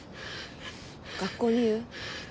学校に言う？